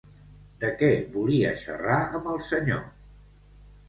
De què volia xerrar amb el senyor?